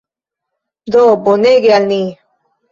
Do bonege al ni.